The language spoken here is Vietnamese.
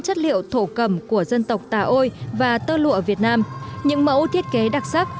chất liệu thổ cầm của dân tộc tà ôi và tơ lụa việt nam những mẫu thiết kế đặc sắc